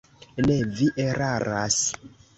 Ne, vi eraras.